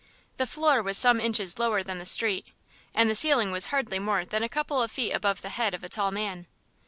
The floor was some inches lower than the street, and the ceiling was hardly more than a couple of feet above the head of a tall man.